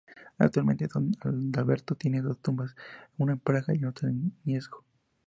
Actualmente, San Adalberto tiene dos tumbas, una en Praga y otra en Gniezno.